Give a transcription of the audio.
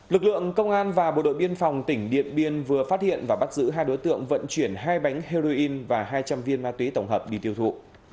lực lượng công an và bộ đội biên phòng tỉnh điện biên vừa phát hiện và bắt giữ hai đối tượng vận chuyển hai bánh heroin và hai trăm linh viên ma túy tổng hợp đi tiêu thụ